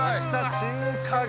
中華街